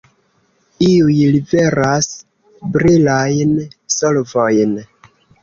Iuj liveras brilajn solvojn.